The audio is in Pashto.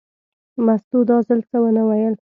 مستو دا ځل څه ونه ویل.